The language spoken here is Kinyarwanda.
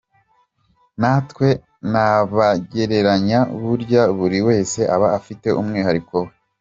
Ntawe nabagereranya burya buri wese aba afite umwihariko we.